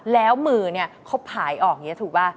แล้วมือเนี่ยเขาผ่ายออกอย่างนี้ถูกป่ะ